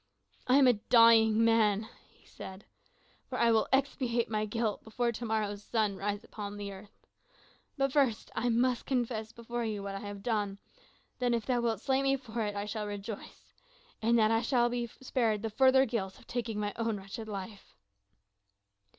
"I am a dying man," he said, "for I will expiate my guilt before to morrow's sun rise upon the earth. But first I must confess before you what I have done, then if thou wilt slay me for it I shall rejoice, in that I shall be spared the further guilt of taking my own wretched life."